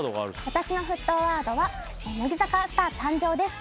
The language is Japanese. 私の沸騰ワードは「乃木坂スター誕生！」です。